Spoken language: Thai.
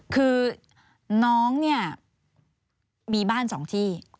คือน้องเนี่ยมีบ้านสองที่